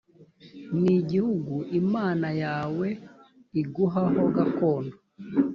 ni igihugu imana yawe iguha ho gakondo